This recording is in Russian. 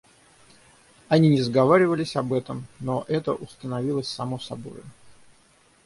Они не сговаривались об этом, но это установилось само собою.